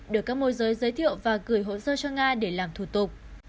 được các môi giới giới thiệu và gửi hỗ trợ cho nga để làm thủ tục